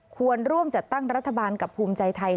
ควรร่วมจัดตั้งรัฐบาลกับภูมิใจไทย